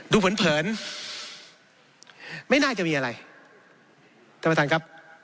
เผินเผินไม่น่าจะมีอะไรท่านประธานครับ